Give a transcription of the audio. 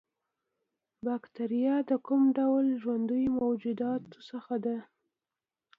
باکتریا د کوم ډول ژوندیو موجوداتو څخه ده